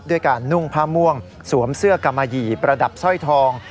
ด้วยการนุ่งผ้าม่วงสวมเสื้อกามาหยี่ประดับสร้อยทอง